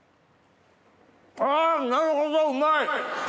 あなるほどうまい！